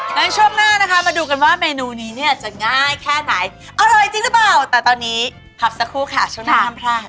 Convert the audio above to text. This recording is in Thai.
ดังนั้นช่วงหน้านะคะมาดูกันว่าเมนูนี้เนี่ยจะง่ายแค่ไหนอร่อยจริงหรือเปล่าแต่ตอนนี้พักสักครู่ค่ะช่วงหน้าห้ามพลาด